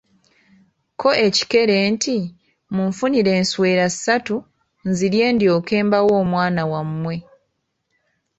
Ko ekikere nti, munfunire enswera ssatu nzirye ndyoke mbawe omwana wamwe.